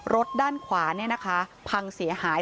รถด้านขวาเนี่ยนะคะพังเสียหาย